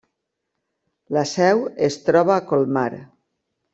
La seu es troba a Colmar.